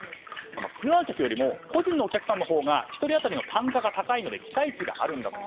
ツアー客よりも個人客のほうが１人当たりの単価が高いので期待値があるんだと。